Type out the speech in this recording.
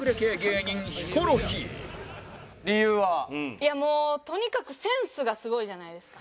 いやもうとにかくセンスがすごいじゃないですか。